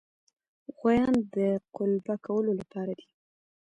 غوایان د قلبه کولو لپاره دي.